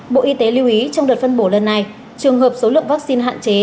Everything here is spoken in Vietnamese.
bộ y tế lưu ý trong đợt phân bổ lần này trường hợp số lượng vaccine hạn chế